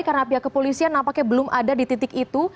karena pihak kepolisian nampaknya belum ada di titik itu